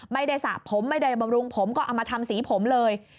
ไม่ได้สระผมไม่ได้บำรุงผมก็เอามาทำสีผมเลย